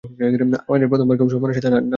আরে প্রথমবার কেউ সম্মানের সাথে ডাকলো না।